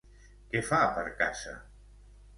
Què fa per casa?